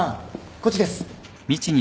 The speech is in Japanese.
こっちです。